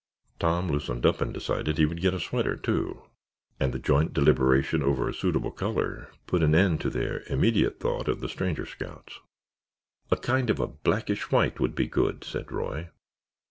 Tom loosened up and decided he would get a sweater, too, and the joint deliberation over a suitable color put an end to their immediate thought of the stranger scouts. "A kind of a blackish white would be good," said Roy.